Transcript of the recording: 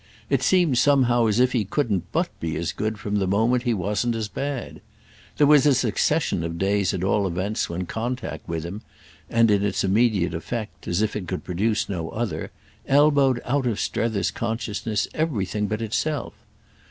It seemed somehow as if he couldn't but be as good from the moment he wasn't as bad. There was a succession of days at all events when contact with him—and in its immediate effect, as if it could produce no other—elbowed out of Strether's consciousness everything but itself.